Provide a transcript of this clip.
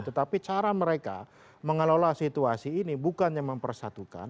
tetapi cara mereka mengelola situasi ini bukannya mempersatukan